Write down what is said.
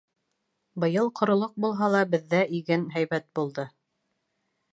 Быйыл ҡоролоҡ булһа ла, беҙҙә иген һәйбәт булды.